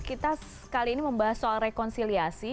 kita kali ini membahas soal rekonsiliasi